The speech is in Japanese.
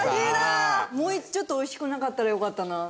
もうちょっと美味しくなかったらよかったな。